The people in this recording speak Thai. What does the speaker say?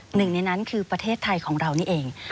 หนึ่งในนั้นคือประเทศไทยของเรานี่เอง